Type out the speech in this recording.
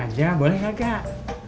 main main aja boleh gak kak